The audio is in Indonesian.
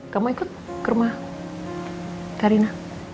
kamu ikut ke rumah karina